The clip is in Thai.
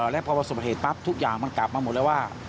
และพอประสบเหตุปั๊บทุกอย่างมันกลับมาหมดแล้วว่า